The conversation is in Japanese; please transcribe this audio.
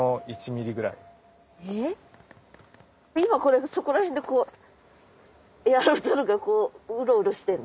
今これそこら辺でこうエアロゾルがうろうろしてんの？